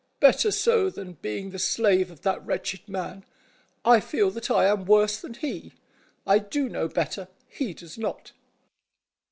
Better so than being the slave of that wretched man. I feel that I am worse than he. I do know better, he does not."